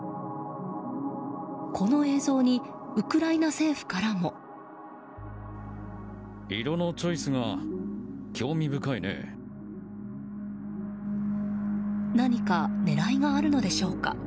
この映像にウクライナ政府からも。何か狙いがあるのでしょうか。